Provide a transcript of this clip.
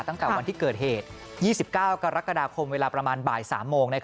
ตั้งแต่วันที่เกิดเหตุ๒๙กรกฎาคมเวลาประมาณบ่าย๓โมง